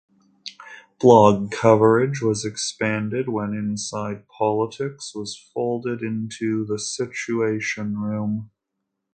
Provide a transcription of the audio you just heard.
Blog coverage was expanded when "Inside Politics" was folded into "The Situation Room".